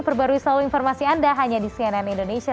perbarui selalu informasi anda hanya di cnn indonesia